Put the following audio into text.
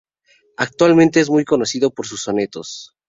Actualmente es muy conocido por sus sonetos.